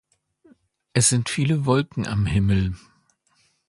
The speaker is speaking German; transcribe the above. Es sind viele Wolken am Himmel